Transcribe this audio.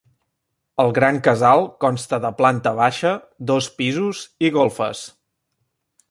El gran casal consta de planta baixa, dos pisos i golfes.